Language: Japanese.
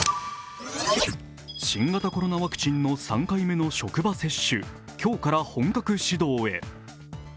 新型コロナワクチンの３回目の職場接種、今日から本格始動へ。